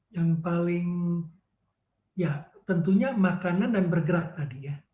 yang paling ya tentunya makanan dan bergerak tadi ya